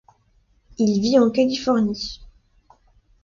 Il vit en Californie.